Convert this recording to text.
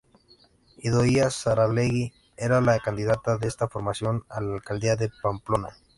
Idoia Saralegui era la candidata de esta formación a la alcaldía de Pamplona.